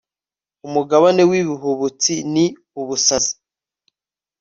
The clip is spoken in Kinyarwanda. umugabane w'ibihubutsi ni ubusazi